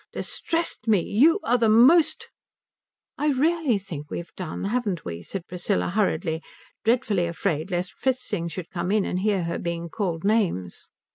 "Distressed me? You are the most " "Really I think we've done, haven't we?" said Priscilla hurriedly, dreadfully afraid lest Fritzing should come in and hear her being called names.